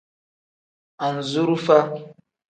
Anzurufa.